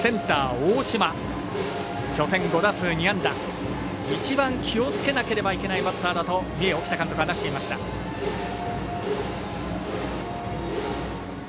一番気をつけなければいけないバッターだと三重の沖田監督は話していました。